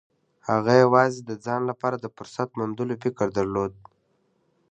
هغه يوازې د ځان لپاره د فرصت موندلو فکر درلود.